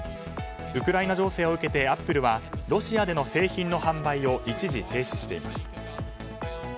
ウクライナ情勢を受けてアップルはロシアでの製品の販売を一時停止しています。